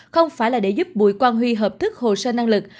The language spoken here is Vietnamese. không phải là để giúp bùi quang huy hợp thức hồ sơ năng lực